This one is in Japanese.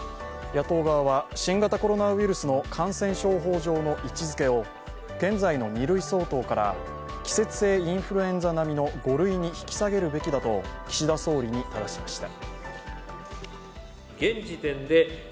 野党側は新型コロナウイルスの感染症法上の位置づけを現在の２類相当から季節性インフルエンザ並みの５類に引き下げるべきだと岸田総理にただしました。